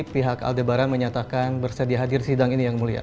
pihak aldebaran menyatakan bersedia hadir sidang ini yang mulia